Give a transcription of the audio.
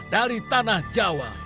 dari tanah jawa